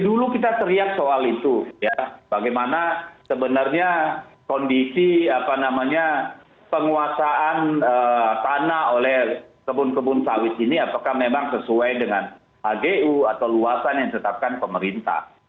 dulu kita teriak soal itu ya bagaimana sebenarnya kondisi penguasaan tanah oleh kebun kebun sawit ini apakah memang sesuai dengan hgu atau luasan yang ditetapkan pemerintah